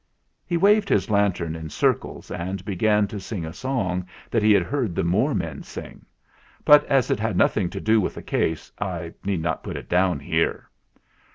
He waved his lantern in circles and began to sing a song that he had heard the Moor men sing. But as it had nothing to do with the case, I need not put it down here.